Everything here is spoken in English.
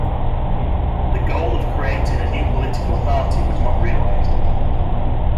The goal of creating a new political party was not realized.